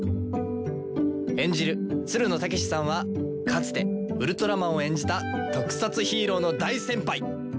演じるつるの剛士さんはかつてウルトラマンを演じた特撮ヒーローの大先輩！